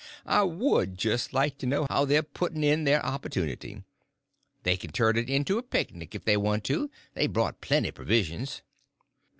I would just like to know how they're putting in their opportunity. They can turn it into a picnic if they want to—they brought plenty provisions."